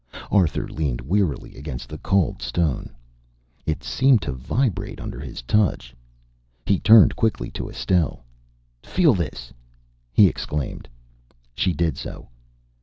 Arthur leaned wearily against the cold stone. It seemed to vibrate under his touch. He turned quickly to Estelle. "Feel this," he exclaimed. She did so.